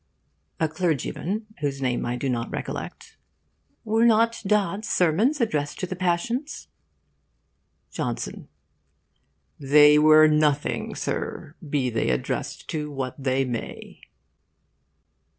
A CLERGYMAN, whose name I do not recollect: Were not Dodd's sermons addressed to the passions? JOHNSON: They were nothing, Sir, be they addressed to what they may.